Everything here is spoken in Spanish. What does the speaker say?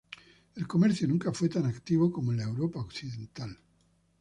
El comercio nunca fue tan activo como en la Europa Occidental.